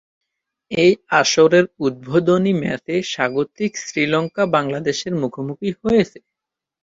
এই আসরের উদ্বোধনী ম্যাচে স্বাগতিক শ্রীলঙ্কা বাংলাদেশের মুখোমুখি হয়েছে।